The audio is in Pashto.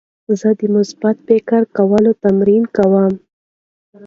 زه د مثبت فکر کولو تمرین کوم.